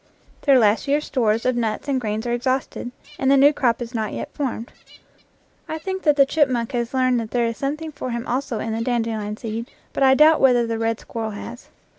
Their last year's stores of nuts and grains are exhausted, and the new crop is not yet formed. I think that the chipmunk has learned that there is something for him also in the dandelion seed, but I doubt whether the red squirrel has.